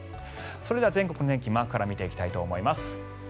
では、全国の天気マークから見ていきたいと思います。